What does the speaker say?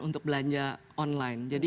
untuk belanja online